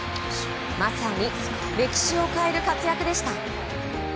まさに歴史を変える活躍でした。